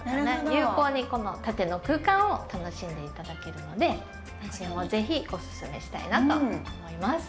有効にこの縦の空間を楽しんで頂けるので是非おすすめしたいなと思います。